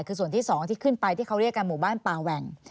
คือส่วนที่๒ที่ขึ้นไปที่เขาเรียกกันหมู่บ้านป่าแหว่ง